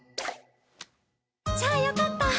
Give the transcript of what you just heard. じゃあよかった